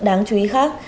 đáng chú ý khác